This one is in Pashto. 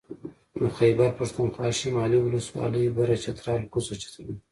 د خېبر پښتونخوا شمالي ولسوالۍ بره چترال کوزه چترال